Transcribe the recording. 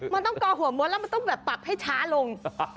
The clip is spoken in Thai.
มันต้องกอหัวมดแล้วมันต้องแบบปรับให้ช้าลง